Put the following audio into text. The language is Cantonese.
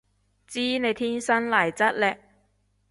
知你天生麗質嘞